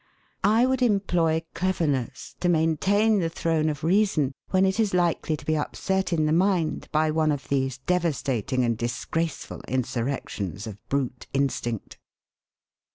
I would employ cleverness to maintain the throne of reason when it is likely to be upset in the mind by one of these devastating and disgraceful insurrections of brute instinct.